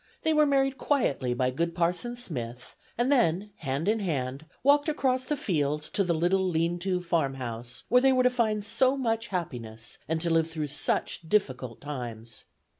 They were married quietly by good Parson Smith, and then, hand in hand, walked across the fields to the little lean to farmhouse where they were to find so much happiness and to live through such difficult times.